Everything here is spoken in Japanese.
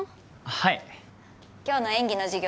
はい今日の演技の授業